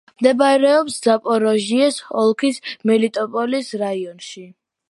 მდებარეობს ზაპოროჟიეს ოლქის მელიტოპოლის რაიონში.